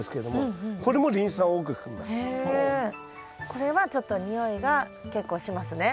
これはちょっと臭いが結構しますね。